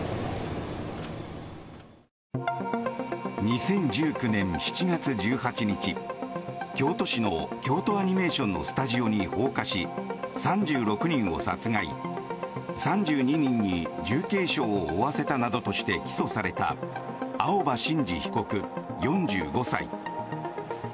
２０１９年７月１８日京都市の京都アニメーションのスタジオに放火し３６人を殺害３２人に重軽傷を負わせたなどとして起訴された青葉真司被告、４５歳。